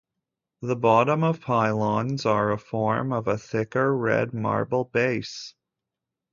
The bottom of Pylons are a form of a thicker red marble base.